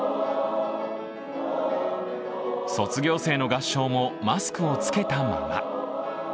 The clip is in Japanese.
卒業生の合唱もマスクを着けたまま。